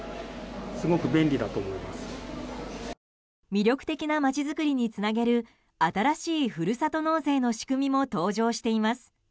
魅力的な街づくりにつなげる新しいふるさと納税の仕組みも登場しています。